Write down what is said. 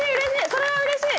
それはうれしい！